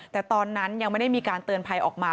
แต่ตอนนั้นยังไม่ได้มีการเตือนภัยออกมา